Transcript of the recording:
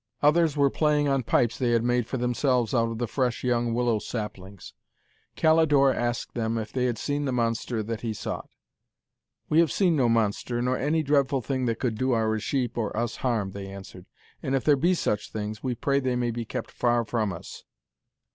Others were playing on pipes they had made for themselves out of the fresh young willow saplings. Calidore asked them if they had seen the monster that he sought. 'We have seen no monster, nor any dreadful thing that could do our sheep or us harm,' they answered, 'and if there be such things, we pray they may be kept far from us.'